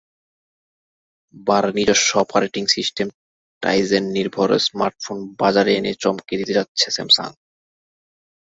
বার নিজস্ব operating system টাইজেননির্ভর smartphone বাজারে এনে চমক দিতে যাচ্ছে স্যামসাং।